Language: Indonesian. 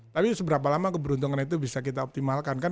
tapi seberapa lama keberuntungan itu bisa kita optimalkan kan